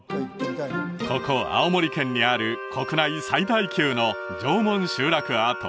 ここ青森県にある国内最大級の縄文集落跡